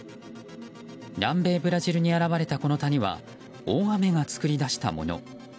南米ブラジルに現れたこの谷は大雨が作り出したもの。